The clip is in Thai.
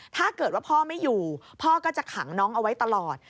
ถ้าเกิดว่าพ่อไม่อยู่พ่อก็จะขังน้องเอาไว้ตลอด